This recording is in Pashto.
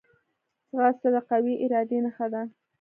ځغاسته د قوي ارادې نښه ده